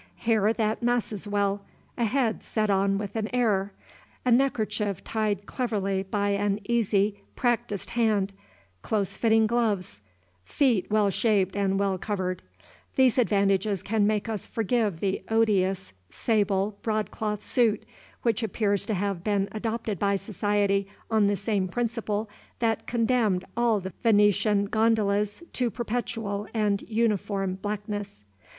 Hair that masses well, a head set on with an air, a neckerchief tied cleverly by an easy, practised hand, close fitting gloves, feet well shaped and well covered, these advantages can make us forgive the odious sable broadcloth suit, which appears to have been adopted by society on the same principle that condemned all the Venetian gondolas to perpetual and uniform blackness.